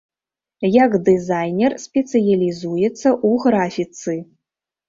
Як дызайнер спецыялізуецца ў графіцы.